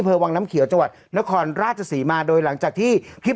วังน้ำเขียวจังหวัดนครราชศรีมาโดยหลังจากที่คลิป